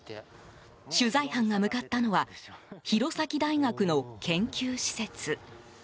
取材班が向かったのは弘前大学の研究施設。